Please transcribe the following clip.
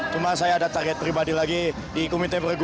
cuma saya ada target pribadi lagi di komite perhubungan